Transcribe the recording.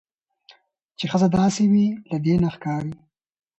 چې ښځه داسې وي. له دې نه ښکاري